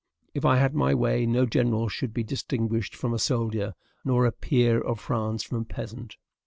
If I had my way, no general should be distinguished from a soldier, nor a peer of France from a peasant.